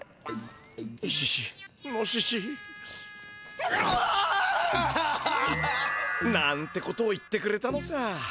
イシシノシシ。なんてことを言ってくれたのさ。